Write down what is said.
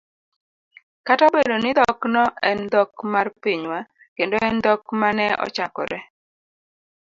kata obedo ni dhokno en dhok mar pinywa kendo en dhok ma ne ochakore